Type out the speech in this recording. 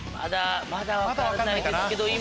まだ分からないですけど。